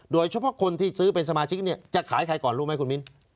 โดยเฉพาะคนที่ซื้อเป็นสมาชิกเนี่ยจะขายใครก่อนรู้ไหมคุณมิ้น